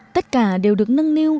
tất cả đều được nâng niu